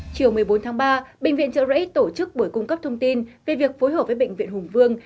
chiều một mươi bốn tháng ba bệnh viện trợ rẫy tổ chức buổi cung cấp thông tin về việc phối hợp với bệnh viện hùng vương